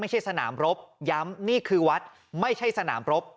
ไม่ใช่สนามรบย้ำนี่คือวัดไม่สนามรบ